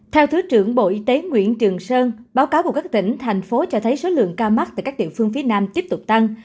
theo thứ trưởng bộ y tế nguyễn trường sơn báo cáo của các tỉnh thành phố cho thấy số lượng ca mắc tại các địa phương phía nam tiếp tục tăng